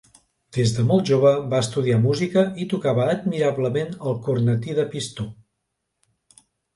Des de molt jove va estudiar música i tocava admirablement el cornetí de pistó.